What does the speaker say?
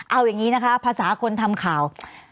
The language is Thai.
เอาอย่างนี้นะคะภาษาคนทำข่าว